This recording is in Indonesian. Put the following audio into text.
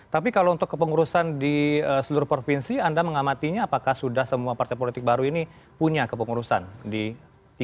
tapi kalau untuk kepengurusan di seluruh provinsi anda mengamatinya apakah sudah semua partai politik baru ini punya kepengurusan di tiga